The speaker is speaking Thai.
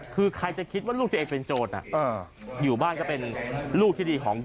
คือใครจะคิดว่าลูกตัวเองเป็นโจรอยู่บ้านก็เป็นลูกที่ดีของ